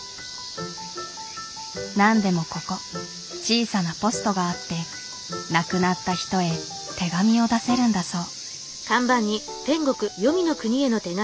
なんでもここ小さなポストがあって亡くなった人へ手紙を出せるんだそう。